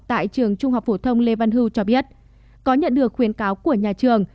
tại trường trung học phổ thông lê văn hưu cho biết có nhận được khuyến cáo của nhà trường